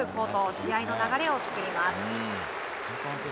試合の流れを作ります。